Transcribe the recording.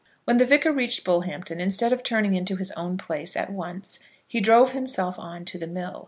When the Vicar reached Bullhampton, instead of turning into his own place at once, he drove himself on to the mill.